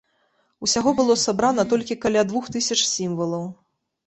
Усяго было сабрана толькі каля двух тысяч сімвалаў.